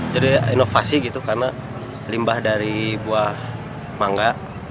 jadi inovasi gitu karena limbah dari buah manga